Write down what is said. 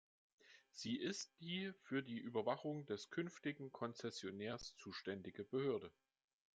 Sie ist die für die Überwachung des künftigen Konzessionärs zuständige Behörde.